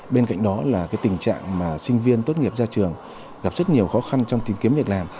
bên cạnh đó là cái tình trạng mà sinh viên tốt nghiệp ra trường gặp rất nhiều khó khăn trong tìm kiếm việc làm